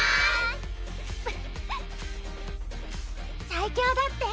最強だって！